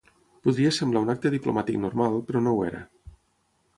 Podria semblar un acte diplomàtic normal, però no ho era.